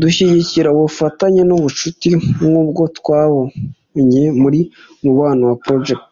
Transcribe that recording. Dushyigikira ubufatanye n’ubucuti nk’ubwo twabonye mu ’Umubano Project’